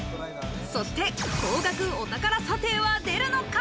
そして高額お宝査定は出るのか。